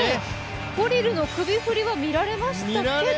コリルの首振りは見られましたけれども。